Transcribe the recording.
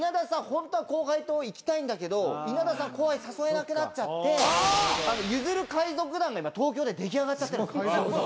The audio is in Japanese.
ホントは後輩と行きたいんだけど稲田さん後輩誘えなくなっちゃってゆずる海賊団が今東京で出来上がっちゃってるんです。